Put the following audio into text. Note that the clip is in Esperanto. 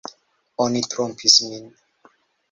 Oni trompis min!